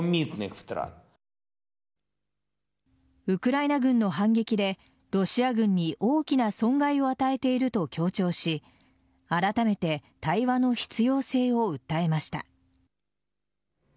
ウクライナ軍の反撃でロシア軍に大きな損害を与えていると強調しあらためて対話の必要性を訴えました。